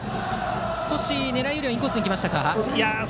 少し狙いよりインコースにきましたか。